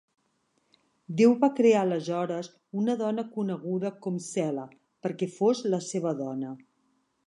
Déu va crear aleshores una dona coneguda com Sela perquè fos la seva dona.